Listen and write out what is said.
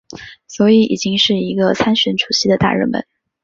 所以已经是一个参选主席的大热门。